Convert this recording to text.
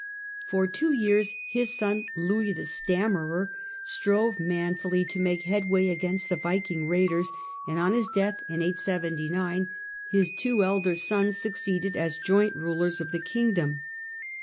For two years his son Louis the Stammerer strove manfully to make headway against the Viking raiders, and on his death, in 879, his two elder sons succeeded as joint rulers of his kingdom.